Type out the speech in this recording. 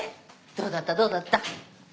どうだったどうだった？